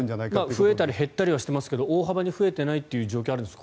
増えたり減ったりはしていますが大幅に増えていないという状況がありますが。